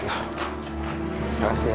terima kasih ya